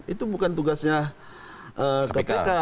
itu bukan tugasnya kpk